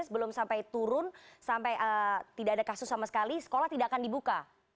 belum sampai turun sampai tidak ada kasus sama sekali sekolah tidak akan dibuka